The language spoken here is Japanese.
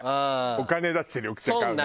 お金出して緑茶買うの。